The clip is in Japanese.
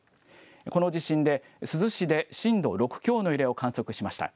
この地震で珠洲市で震度６強の揺れを観測しました。